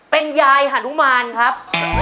เป็นยายหานุมานครับ